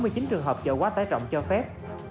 và một trường hợp chạy quá tải cổng cho phép